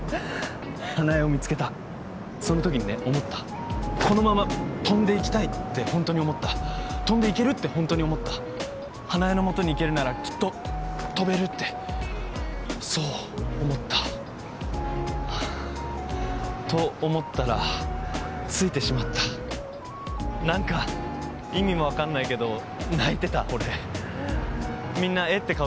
花枝を見つけたその時にね思ったこのまま飛んでいきたいってホントに思った飛んでいけるってホントに思った花枝のもとに行けるならきっと飛べるってそう思ったと思ったら着いてしまった何か意味もわかんないけど泣いてた俺みんなえっ？